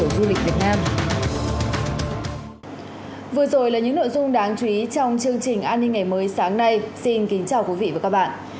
vừa rồi là những nội dung đáng chú ý trong chương trình an ninh ngày mới sáng nay xin kính chào quý vị và các bạn